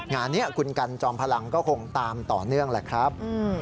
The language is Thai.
งานนี้คุณกันจอมพลังก็คงตามต่อเนื่องแหละครับ